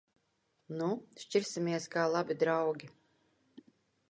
Nu! Šķirsimies kā labi draugi.